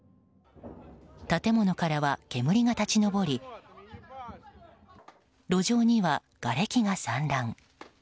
建物からは煙が立ち上り路上にはがれきが散乱。